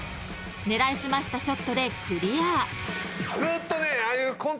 ［狙い澄ましたショットでクリア］